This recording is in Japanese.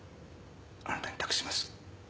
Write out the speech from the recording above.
あなたに託します。